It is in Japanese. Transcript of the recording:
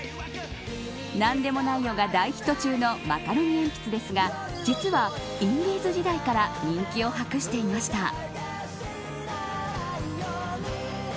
なんでもないよ、が大ヒット中のマカロニえんぴつですが実は、インディーズ時代から人気を博していました。